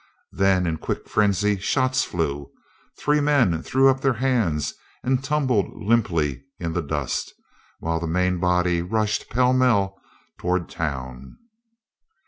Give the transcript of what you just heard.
Then in quick frenzy, shots flew; three men threw up their hands and tumbled limply in the dust, while the main body rushed pellmell toward town.